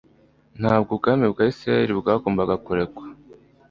Ntabwo ubwami bwa Isirayeli bwagombaga kurekwa